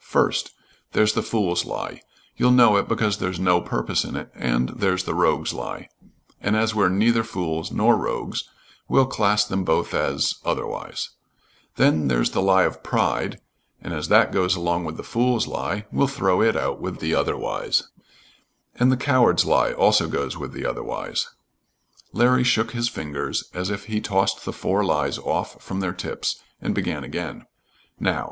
"First, there's the fool's lie you'll know it because there's no purpose in it, and there's the rogue's lie, and as we're neither fools nor rogues we'll class them both as otherwise; then there's the lie of pride, and, as that goes along with the fool's lie, we'll throw it out with the otherwise and the coward's lie also goes with the otherwise." Larry shook his fingers as if he tossed the four lies off from their tips, and began again. "Now.